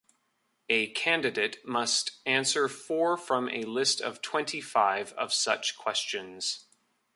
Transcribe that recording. A candidate must answer four from a list of twenty-five of such questions.